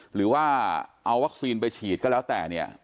หรือว่าเอาวัคซีนไปฉีดก็แล้วแต่เนี่ย